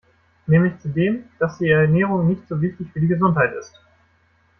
Nämlich zu dem, dass die Ernährung nicht so wichtig für die Gesundheit ist.